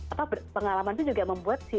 apa pengalaman itu juga membuat si